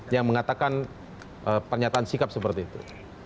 yang mengatakan pernyataan sikap seperti itu